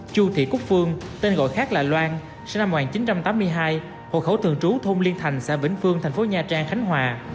chu thị quốc phương tên gọi khác là loan sinh năm một nghìn chín trăm tám mươi hai hộ khẩu thường trú thôn liên thành xã vĩnh phương thành phố nha trang khánh hòa